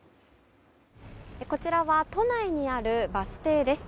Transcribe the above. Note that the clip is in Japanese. こちらは都内にあるバス停です。